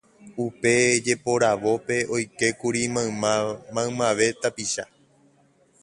Upe jeporavópe oikékuri maymave tapicha